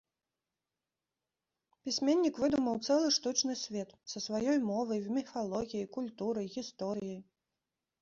Пісьменнік выдумаў цэлы штучны свет, са сваёй мовай, міфалогіяй, культурай, гісторыяй.